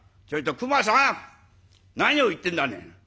「ちょいと熊さん！何を言ってんだね！？